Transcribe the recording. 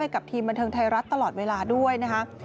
กับทีมบันเทิงไทยรัฐตลอดเวลาด้วยนะคะ